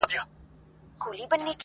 نن دي خیال راته یو ښکلی انعام راوړ-